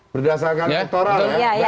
berdasarkan elektoral ya